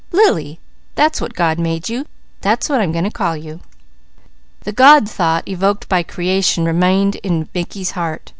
Lily! That's what God made you; that's what I'm going to call you." The God thought, evoked by creation, remained in Mickey's heart.